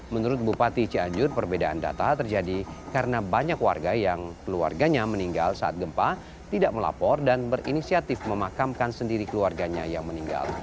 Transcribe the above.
menurut bupati cianjur perbedaan data terjadi karena banyak warga yang keluarganya meninggal saat gempa tidak melapor dan berinisiatif memakamkan sendiri keluarganya yang meninggal